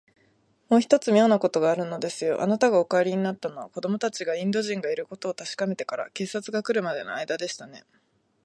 もう一つ、みょうなことがあるのですよ。あなたがお帰りになったのは、子どもたちがインド人がいることをたしかめてから、警官がくるまでのあいだでしたね。